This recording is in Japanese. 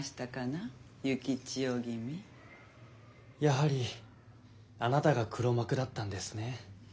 やはりあなたが黒幕だったんですね。